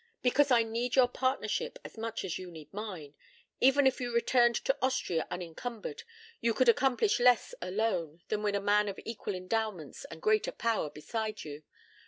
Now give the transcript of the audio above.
"Because I need your partnership as much as you need mine. Even if you returned to Austria unencumbered, you could accomplish less alone than with a man of equal endowments and greater power beside you.